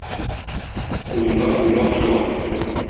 Уеннан уймак чыгар.